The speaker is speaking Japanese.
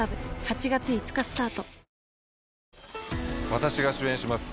私が主演します